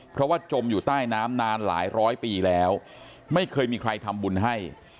เพราะว่าจมอยู่ใต้น้ำนานหลายร้อยปีแล้วไม่เคยมีใครทำบุญให้